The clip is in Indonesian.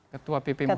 ketua pp muhammadiyah